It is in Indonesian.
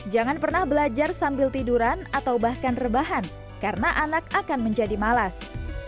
jangan pernah belajar sambil tiduran atau bahkan rebahan karena anak akan menjadi malas